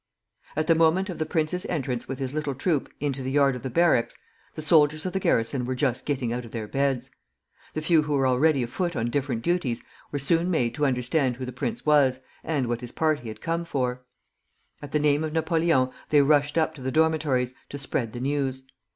At the moment of the prince's entrance, with his little troop, into the yard of the barracks, the soldiers of the garrison were just getting out of their beds. The few who were already afoot on different duties were soon made to understand who the prince was, and what his party had come for. At the name of Napoleon they rushed up to the dormitories to spread the news.